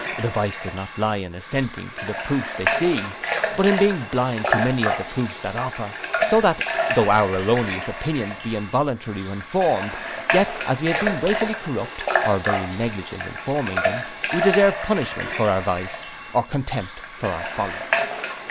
The vice does not lie in assenting to the proofs they see; but in being blind to many of the proofs that offer. So that, though our erroneous opinions be involuntary when formed, yet as we have been wilfully corrupt, or very negligent in forming them, we deserve punishment for our vice, or contempt for our folly.